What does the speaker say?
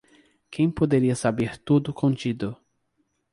Quem poderia saber tudo contido?